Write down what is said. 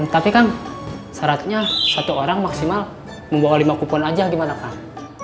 tapi kan syaratnya satu orang maksimal membawa lima kupon aja gimana kang